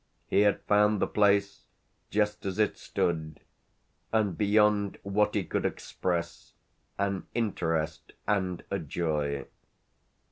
He had found the place, just as it stood and beyond what he could express, an interest and a joy.